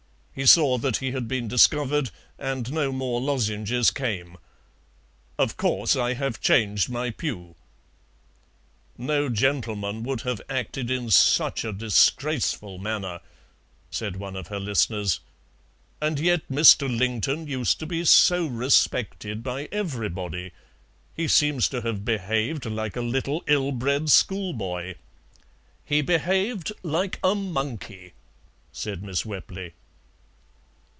He saw that he had been discovered and no more lozenges came. Of course I have changed my pew." "No gentleman would have acted in such a disgraceful manner," said one of her listeners; "and yet Mr. Lington used to be so respected by everybody. He seems to have behaved like a little ill bred schoolboy." "He behaved like a monkey," said Miss Wepley.